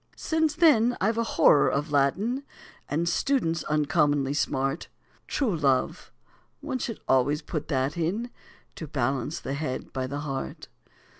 Since then I've a horror of Latin, And students uncommonly smart; True love, one should always put that in, To balance the head by the heart.